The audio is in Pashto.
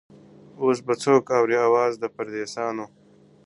• اوس به څوك اوري آواز د پردېسانو,